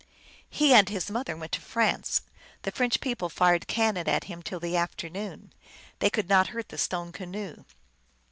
He and his mother went to France. The French people fired cannon at him till the afternoon. They could not hurt the stone canoe.